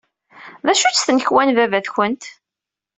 D acu-tt tnekwa n baba-tkent?